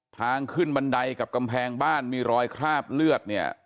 ทางขึ้นบันไดกับกำแพงบ้านมีรอยคราบเลือดเนี่ย